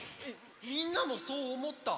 みんなもそうおもった？